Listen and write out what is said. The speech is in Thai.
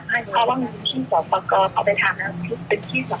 ว่าหมายถึงพี่จะปอกกอบเอาไปถามเรื่องพี่จะผมกอบคำ